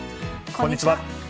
こんにちは。